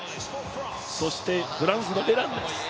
そしてフランスのベランです。